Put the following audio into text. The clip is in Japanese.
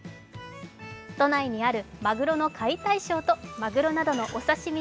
都内にあるまぐろの解体ショーとマグロなどのお刺身